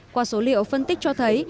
qua số liệu phân tích cho thấy